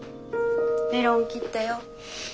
メロン切ったよ。